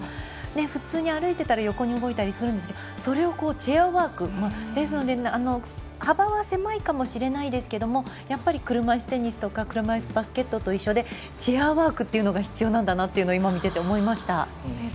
普通に歩いていたら横に動いていたりするんですがそこをチェアワークで幅は狭いかもしれないですけどやっぱり車いすテニスとか車いすバスケットと同じでチェアワークというのが必要なんだなと見てて思いました。